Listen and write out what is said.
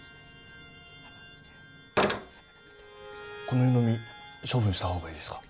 この湯飲み処分した方がいいですか？